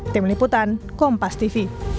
tim liputan kompas tv